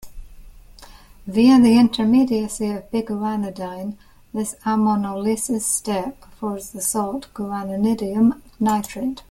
Via the intermediacy of biguanidine, this ammonolysis step affords the "salt" guanidinium nitrate.